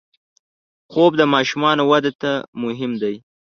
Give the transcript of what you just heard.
خوب د ماشومانو وده ته مهم دی